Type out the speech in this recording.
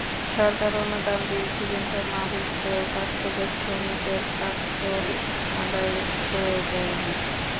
সরকার অনুদান দিয়েছে, কিন্তু মালিকদের কাছ থেকে শ্রমিকের প্রাপ্য আদায় করে দেয়নি।